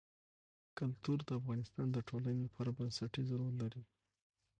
کلتور د افغانستان د ټولنې لپاره بنسټيز رول لري.